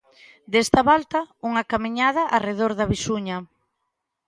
Desta volta, unha camiñada arredor de Visuña.